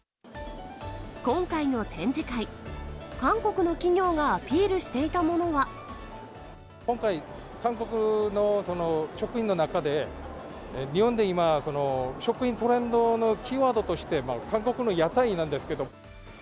今回の展示会、韓国の企業が今回、韓国の食品の中で、日本で今、食品トレンドのキーワードとして韓国の屋台なんですけど。